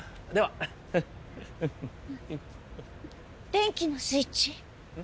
電気のスイッチ？